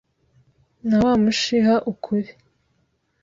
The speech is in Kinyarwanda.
Nta wamuhisha ukuri.